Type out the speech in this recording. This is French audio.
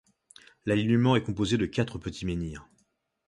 L'alignement est composé de quatre petits menhirs.